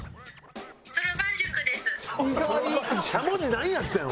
しゃもじなんやってん？